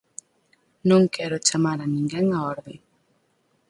Non quero chamar a ninguén á orde.